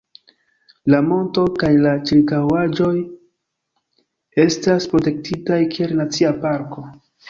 La monto kaj la ĉirkaŭaĵoj estas protektitaj kiel Nacia Parko.